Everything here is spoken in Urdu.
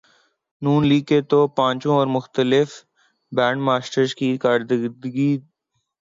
ن لیگ کے توپچیوں اور مختلف بینڈ ماسٹرز کی کارکردگی دیکھ کر ایسا لگتا ہے۔